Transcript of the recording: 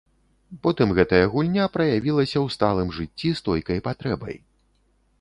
Потым гэтая гульня праявілася ў сталым жыцці стойкай патрэбай.